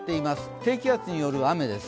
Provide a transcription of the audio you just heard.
低気圧による雨です。